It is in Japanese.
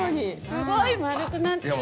すごい丸くなってる。